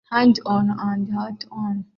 hands on and heart on